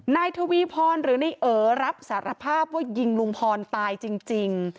นายทวีพรหรือในเอ๋อรับสารภาพว่ายิงลุงพรตายจริง